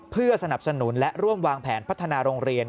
เพื่อสนับสนุนและร่วมวางแผนพัฒนาโรงเรียน